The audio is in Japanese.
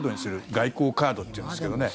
外交カードっていうんですけどね。